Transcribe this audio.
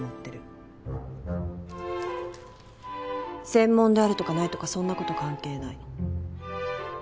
専門であるとかないとかそんな事関係ない。